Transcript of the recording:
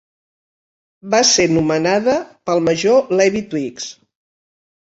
Va ser nomenada pel major Levi Twiggs.